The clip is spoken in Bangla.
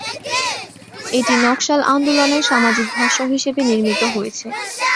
এটি নকশাল আন্দোলনের সামাজিক ভাষ্য হিসেবে নির্মিত হয়েছে।